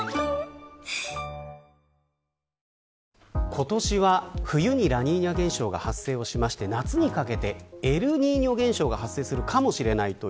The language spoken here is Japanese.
今年は冬にラニーニャ現象が発生して夏にかけてエルニーニョ現象が発生するかもしれない。